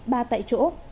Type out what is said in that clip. ba tại chỗ